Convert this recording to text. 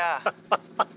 ハハハハ。